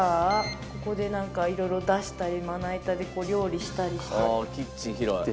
ここでなんか色々出したりまな板で料理したりして。